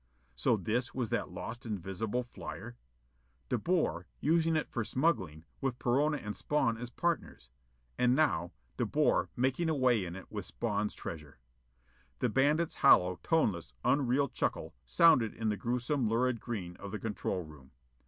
So this was that lost invisible flyer? De Boer, using it for smuggling, with Perona and Spawn as partners. And now, De Boer making away in it with Spawn's treasure! The bandit's hollow, toneless, unreal chuckle sounded in the gruesome lurid green of the control room.